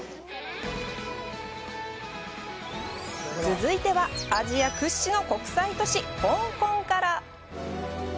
続いてはアジア屈指の国際都市、香港から。